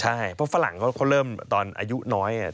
ใช่เพราะฝรั่งเขาเริ่มตอนอายุน้อย